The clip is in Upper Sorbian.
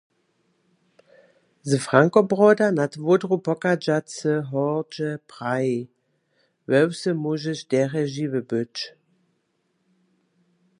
Z Frankobroda nad Wódru pochadźacy hordźe praji: We wsy móžeš derje žiwy być.